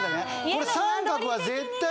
これ三角は絶対。